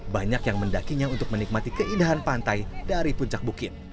banyak yang mendakinya untuk menikmati keindahan pantai dari puncak bukit